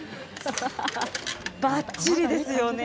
ばっちりですよね。